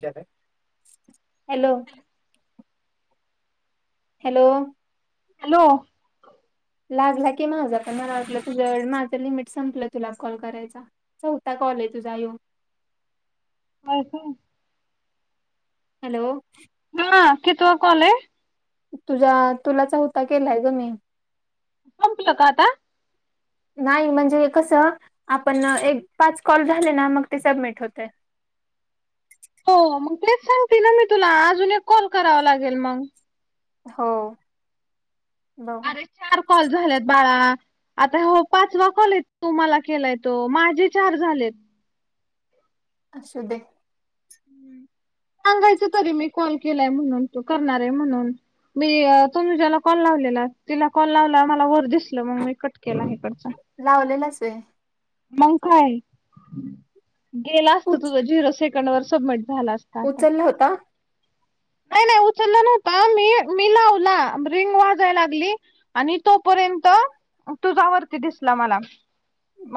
[unintelligible] Hello. Hello. Hello. लागला की माझा. पण मला वाटलं, तुझ्या माझं लिमिट संपलं. तुला कॉल करायचा. चवथा कॉलय, तुझा ह्यो. होय, का? हॅलो. हां, कितवा कॉलय? तुझ्या, तुला चवथा केलाय ग, मी. संपलं का आता? [inaudible] नाही. म्हणजे कस, आपण एक, पाच कॉल झाले ना. मग ते सबमिट होतय. हो, मग तेच सांगते ना, मी तुला. अजून एक कॉल करावा लागेल मग. हो. ब. अरे चार कॉल झाल्यात बाळा. आता ह्यो, पाचवा कॉलय, तु मला केलाय तो. माझे चार झालेत. असू दे. सांगायच तरी, मी कॉल केलाय म्हणून. तू करणारय म्हणून. मी अ तनुज्याला कॉल लावलेला. तिला कॉल लावला, मला वर दिसलं, मग मी कट केला हिकडच. लावलेलास होय. मग काय? गेला असत उच तुझं, झिरो से कंड वर सबमिट झाला असता, आता. उचलला होता [inaudible] नाही - नाही उचललं नव्हत. मी, मी लावला. रिंग वाजाय लागली आणि तोपर्यंत, तुझावरती दिसला मला.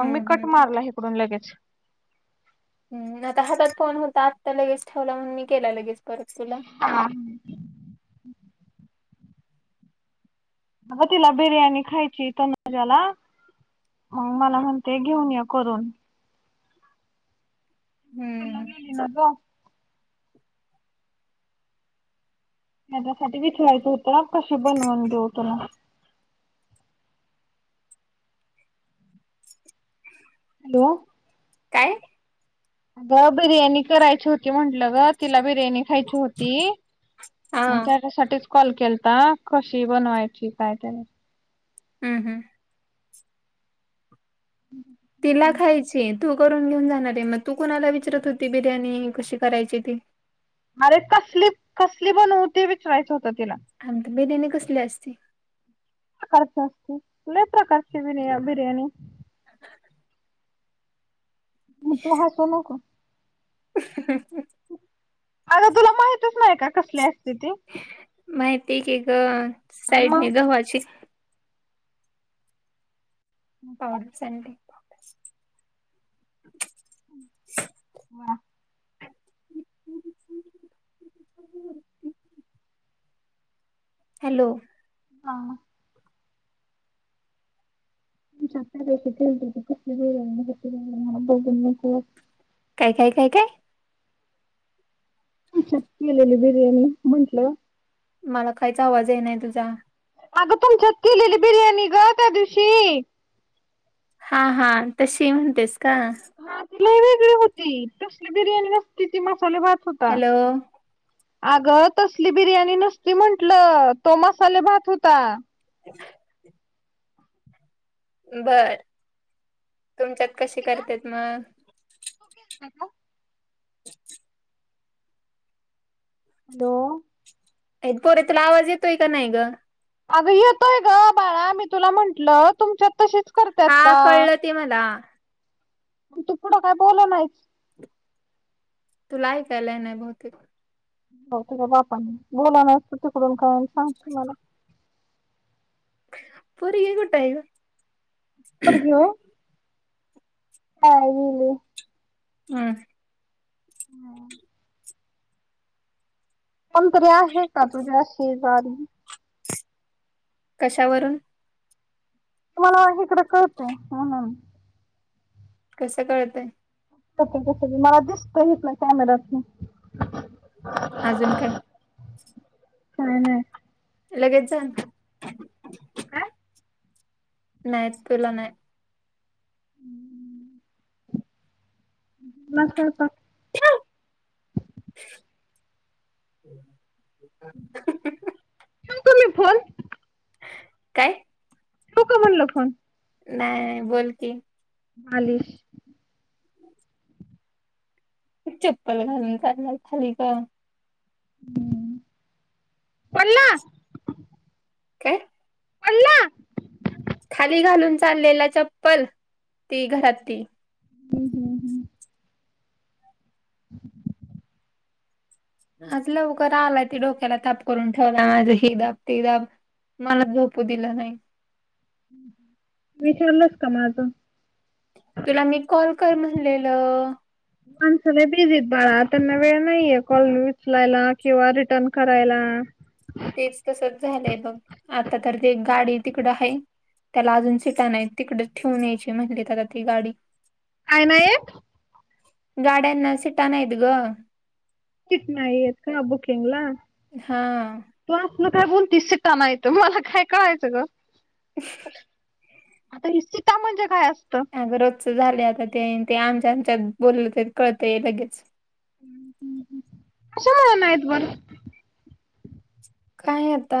मग मी हम्म कट मारला, हिकडून लगेच. ह्, आता हातात फोन होता. आत्ता लगेच ठेवला. म्हणून, मी केला लगेच परत तुला. हा. अग, तिला बिर्याणी खायचीय तनुज्याला. मग मला म्हणते, घेऊन ये करून. हम्म. ती [unintelligible] न गो. त्याच्यासाठी विचरायचं होतं, कशी बनवून देेऊ तुला? हॅलो! काय? अगं बिर्याणी करायची होती म्हंटलं गं, तिला बिर्याणी खायची होती हा म त्याच्यासाठीच कॉल केलता, कशी बनवायची काय त्याचं? हम्म हम्म. [unintelligible] तिला खायची तू करून घेऊन जाणार आहे, मग तू कोणाला विचारत होती बिर्याणी कशी करायची ती? अरे कसली, कसली बनवू ते विचरायचं होतं तिला. हा म ते बिर्याणी कसली असती? प्रकारची असती, लय प्रकारची बिर्या बिर्याणी. हम्म तु हसू नको. [unintelligible] आगं तुला माहितच नाही का, कसली अस माहिती आहे की गं, आणि मग साईडणी गव्हाची पावडर सांडली. वा! हॅलो! हा. तुमच्यात त्यादिवशी केलती ती कसली बिर्याणी होती, मला बघून नको हो काय काय काय काय? तुमच्यात केलेली बिर्याणी म्हंटलं मला काहीच आवाज येईना तुझा. अगं तुमच्यात केलेली बिर्याणी गं त्यादिवशी. हा हा, तशी म्हणतेस का? हा ती लय वेगळी होती, तसली बिर्याणी नसती ती मसाले भात हो हॅलो! अगं तसली बिर्याणी नसती म्हंटल तो मसाले भात होता. [unintelligible] बर, तुमच्यात कशी करतेत मग? तू केलतं का? हॅलो! ए पोरे तुला आवाज येतोय का नाही ग? अगं येतोय ग बाळा, मी तुला म्हंटलं तुमच्यात तशीच करत्यात हा कळलं ते मला. म तु पुढं‌ काय बोला नाहीच. तुला ऐकायला येई नाय बहुतेक. हो तूझ्या बापानी, बोला नायच तर तिकडून काय सांगती मला. पोरगी कुठंय गं? पुरगी व्हय? काय बोलू? हम्म. हम्म. कोणंतरी आहे कां तुझ्या शेजारी कश्या वरूंन मलां इकडं कळतंय म्हणूंन कसं कळतंय कसं मलां दिसतेत कॅमेरा तूं नं अजूंन कायं कायं नाहीं लगेच जलं कांय नाहींच तुलां नाहीं मंग स्वयंपांक ठेव [unintelligible] [unintelligible] ठेऊं कां मी फोन कायं ठेवूं कां म्हणले फोन नाहीं बोलं की खाली चप्पल घालूंन चालणांरय खाली कां हम्मं पडलां घे पडलां खाली घालूंन चाललेला चप्पल ती घरांत ती हंम हंम [inaudible] [unintelligible] आंज लवकरं आलांय त डोक्याला तांप करूंन ठेवला माझं हे दांब ते दांब मलां झोपू दिलं नाहीं विचारलंस कां माझं तुलां मी कॉल करं म्हणलेलं माणसले बिझीत बाळां त्यांना वेळं नाहींये कॉल उचलायंला किंवा रिटर्न करायंला तेचं तसंच झालंय बघं आंता तरं ते एक गांडी तिकडं आहे त्यांला अजूंन सिटां नाहीं तिकडे चं ठेऊूनं यायची म्हणली आंता ती गांडी तरं कायं नाहीं आहेंत गाड्यांना सीटां नाय आहेतं गं टिकिट नाहीं येतं कां बूकिंग लां हां तूं असं नां कायं बोलतीस शितांना येतं मलां कायं कळायचं गं हे सीटां म्हणजे कायं असतं अगं रोजचं झाले आंता ते ते आमच्या आमच्यांत बोललं कळतंय लगेच कश्याला मं आहेतं बरं कायं आंता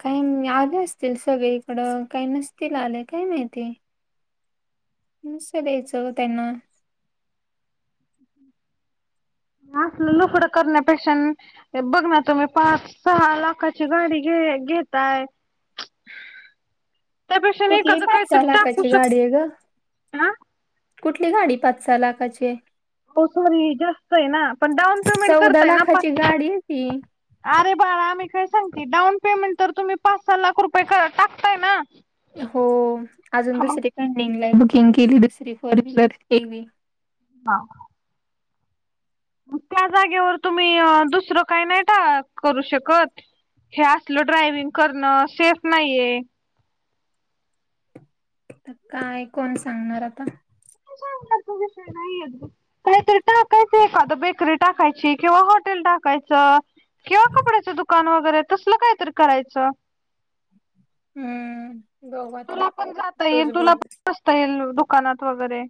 कायं आले असतील सगळीकडं कांहीं नसतील आलें कायं माहिती नुसतं सं द्यायचं त्यांना हम् [unintelligible] असलं लफडं करण्यांपेक्षा बघं नां तुम्हीं पांच सहा लाखांची गांडी घे घेतायं [inaudible] [unintelligible] ना कुठली, एखादं पाच- काहीतरी सहा टाकू लाखाची शक गाडीय गं. हा कुठली गाडी, पाच - सहा लाखाचीय. ओ सॉरी, जास्तय ना. पण डाउन पेमेंट चौदा करताय ना. पा लाखाची गाडी आहे ती [unintelligible] अरे, बाळा. मी काय सांगते. डाऊन पेमेंट तर तुम्ही पाच - सहा लाख रुपये कर, टाकताय ना. हो. अजून हा मग दुसरी पेंडिंगलाय. बुकिंग केली दुसरी फोरव्हीलर. K we. हा. त्या जागेवर तुम्ही, दुसरं काही नाही टा करू शकत. हे असल ड्रायविंग करणं, सेफ नाहीये. काय, कोण, सांगणार आता? तू सांगितलेला, तो विषय नाही येत गं. काहीतरी टाकायचं एखादं. बेकरी टाकायची किंवा हॉटेल टाकायचं. किंवा कपड्याचं दुकान वगैरे. तसल कायतरी करायचं. हम्म. बघू आता तुला पण जाता येईल. तूच बोल. तुला पण बसता येईल. दुकानात वगैरे.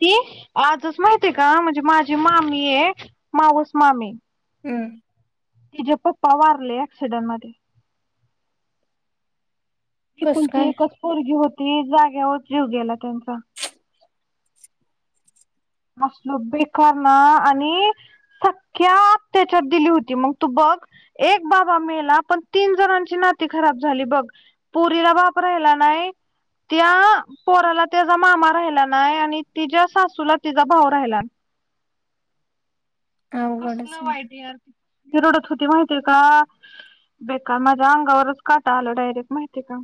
ती आजच माहितीय का? म्हणजे, माझी मामीय. मावस मामी. हम्. तिजे पप्पा वारले, ऍक्सिडंटमध्ये. कस एकुलती काय एकच पोरगी होती. जाग्यावर जीव गेला त्यांचा. असल बेकार ना आणि सख्या अत्याच्यात दिली होती. मग तू बघ एक बाबा मेला. पण तीन जणांची नाती खराब झाली, बघ. पुरीला बाप राहिला नाही. त्या पोराला त्याजा मामा राहिला नाही. आणि तिज्या सासूला, तिचा भाऊ राहिला अवघडच कसलं आहे. वाईट यार. ती रडत होती, माहतीय का? बेकार. माझ्या अंगावरच काटा आला डायरेक्ट, माहितेय का?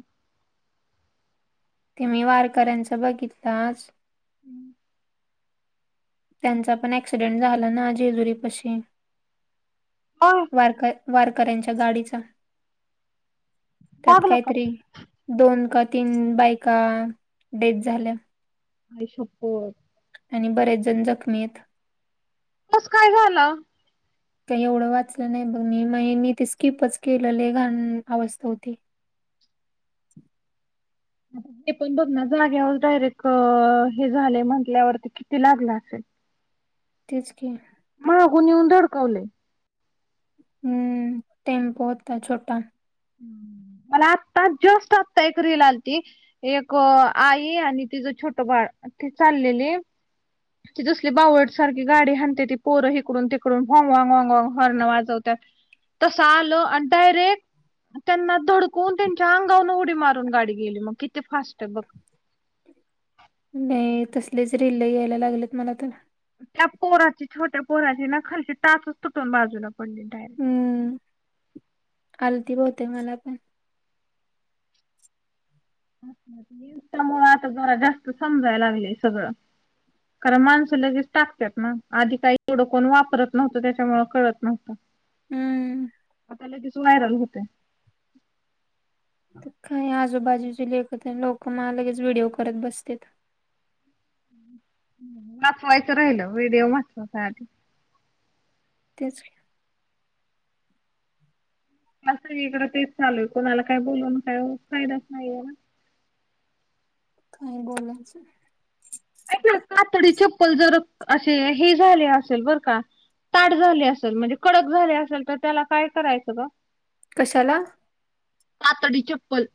ते मी वारकऱ्यांचं बघितलं आज. त्यांचा पण, ऍक्सिडेंट झाला ना जेजुरीपशी. होय. वारक वारकऱ्यांच्या गाडीचा. त्यात लागलं का काहीतरी दोन का तीन बायका, डेथ झाल्या. आई शप्पथ. आणि बरेच जण जखमीयत. कसं, काय झाल? [inaudible] काय एवढं वाचलं नाही बघ, मी. म मी ते स्किपच केलं. लय घाण अवस्था होती. ते पण बघ ना, जागेवर डायरेक् अ हे झाले म्हंटल्यावर, ती किती लागला असेल. तेच, की. म्हागून येऊन धडकवलय. हम्म. टेम्पो होता छोटा. मला आत्ता, जस्ट आत्ता एक रिल आलती एक आई आणि तिचं छोट बाळ, ती चाललेली ती जसली बावळट सारखी, गाडी हाणत्याती ती पोरं. हिकडून - तिकडून. वॉग, वँग, वॉग, वग हॉर्न वाजवतात. तस आल, अन् डयरेक् त्यांना धडकून, त्यांच्या अंगाहून उडी मारून गाडी गेली. मग किती फास्टय बघ. नाही. तसलेच रिल यायला लागलेत मला तर. त्या पोराची छोट्या पोराची ना खालची टाचच तुटून बाजूला पडली डायरेक्ट. हम्म आलती बहुतेक मला पण. [inaudible] त्यामुळ आता जरा जास्त समजायला लागलंय सगळं. कारण माणसं लगेच टाकत्यात ना आधी काही एवढं कोण वापरत नव्हतं त्याच्यामुळे कळत नव्हतं. हम्म आता लगेच व्हायरल होतंय. तर काही आजूबाजूचे लेख तेन लोक मा लगेच व्हिडिओ करत बसत्यात. वाचवायचं राहिल व्हिडिओ महत्त्वाचा आदी. तेच. असं सगळीकडं तेच चालू आहे कोणाला काय बोलून काय फायदाच नाहीयाय ना? काही बोलायचं. कातडी चप्पल जर असे हे झाले असेल बर का? ताट झाले असेल म्हणजे कडक झाले असेल तर त्याला काय करायचं ग? कशाला? कातडी चप्पल.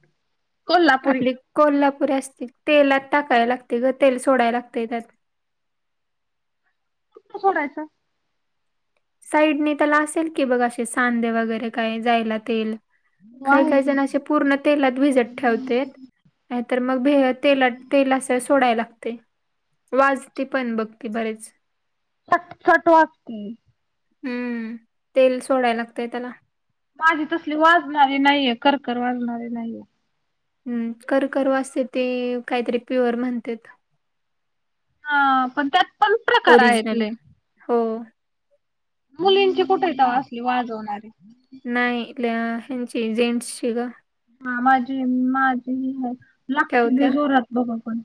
कोल्हापुरी आपली कोल्हापुरी असते तेलात टाकाय लागतय ग तेल सोडायला लागतय त्यात. कुठ सोडायचं? साईडने त्याला असेल की बघ अशे सांधे वगैरे काय जायला तेल. काही आहे काही की जण असे पूर्ण तेलात भिजत ठेवतेत नाहीतर मग भेत तेलात तेल असं सोडायला लागतय वाजते पण बघते बरेच. फटफट वाजती. हम्म तेल सोडाय लागतय त्याला. माझी तसली वाजणारी नाहीय करकर वाजणारी नाहीय. हम्म कर कर वाजतय ते काहीतरी प्युअर म्हणतेत. हा पण त्यात पण प्रकार आहेत ओरिजनल लय हो. मुलींची कुठय तवा असली वाजवणारी? नाही ल्या ह्यांची जेंट्सची ग. हा माझी माझी लागते ठेवत्या लई जोरात बघा पण.